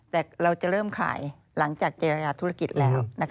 แต่เราจะเริ่มขายหลังจากเจรจาธุรกิจแล้ว